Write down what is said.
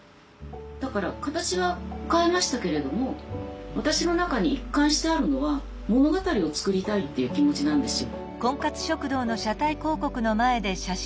だから形は変えましたけれども私の中に一貫してあるのは物語を作りたいっていう気持ちなんですよ。